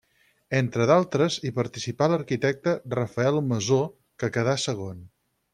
Entre d'altres hi participà l'arquitecte Rafael Masó que quedà segon.